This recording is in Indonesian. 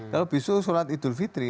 kalau besok sholat idul fitri